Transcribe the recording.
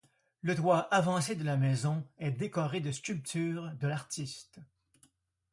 Le toit avancé de la maison est décoré de sculptures de l'artiste.